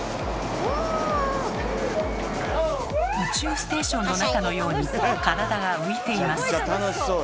宇宙ステーションの中のように体が浮いています。